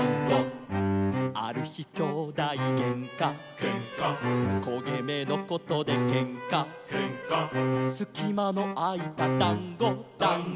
「ある日兄弟げんか」「けんか」「こげ目のことでけんか」「けんか」「すきまのあいただんご」「だんご」